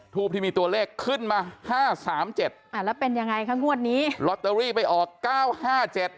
ทูบที่มีตัวเลขขึ้นมา๕๓๗อ่าแล้วเป็นยังไงคะงวดนี้ลอตเตอรี่ไปออก๙๕๗อ่า